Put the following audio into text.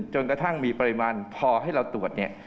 จนกระทั่งมีปริมาณพอให้เราตรวจเนี่ย